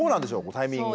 タイミング。